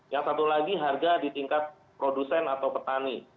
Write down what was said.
yang satu lagi harga di tingkat produsen atau petani